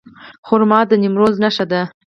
خرما د نیمروز نښه ده.